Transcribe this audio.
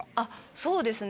そうですね